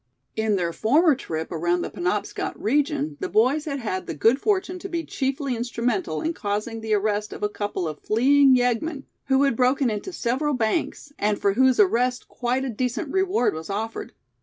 In their former trip around the Penobscot region the boys had had the good fortune to be chiefly instrumental in causing the arrest of a couple of fleeing yeggmen, who had broken into several banks, and for whose arrest quite a decent reward was offered.